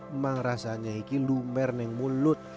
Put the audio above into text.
memang rasanya ini lumer di mulut